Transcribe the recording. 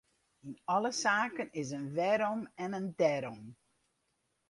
Yn alle saken is in wêrom en in dêrom.